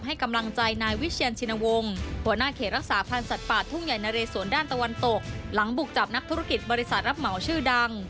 หลังบุกจับนักธุรกิจบริษัทรับเหมาชื่อดัง